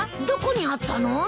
どこにあったの？